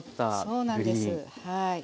そうなんですはい。